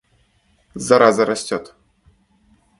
Зараза растет.